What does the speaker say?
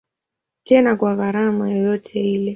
Tena kwa gharama yoyote ile.